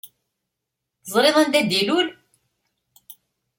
Teẓṛiḍ anda i d-ilul?